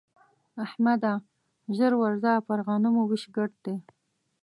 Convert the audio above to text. احمده! ژر ورځه پر غنمو وېش ګډ دی.